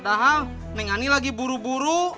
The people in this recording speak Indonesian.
padahal neng ani lagi buru buru